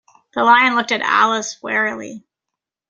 The Lion looked at Alice wearily.